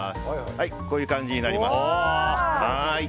こういう感じになります。